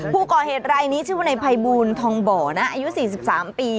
ผู้ก่อเหตุรายนี้ชื่อว่าในภัยบูลทองบ่อนะอายุ๔๓ปี